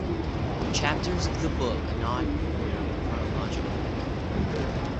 The chapters of the book are not ordered chronologically.